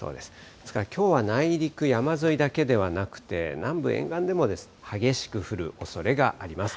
ですからきょうは内陸、山沿いだけではなくて南部、沿岸でも激しく降るおそれがあります。